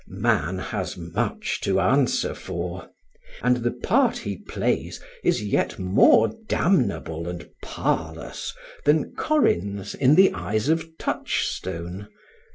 Man has much to answer for; and the part he plays is yet more damnable and parlous than Corin's in the eyes of Touchstone.